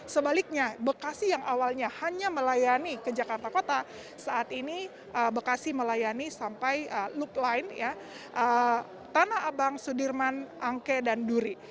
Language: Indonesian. sebaliknya bekasi yang awalnya hanya melayani ke jakarta kota saat ini bekasi melayani sampai loop line tanah abang sudirman angke dan duri